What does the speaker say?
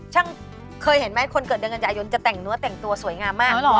เคยเห็นไหมคนเกิดเดือนกันยายนจะแต่งเนื้อแต่งตัวสวยงามมาก